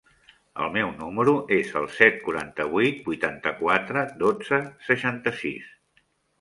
El meu número es el set, quaranta-vuit, vuitanta-quatre, dotze, seixanta-sis.